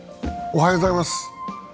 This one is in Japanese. おはようございます。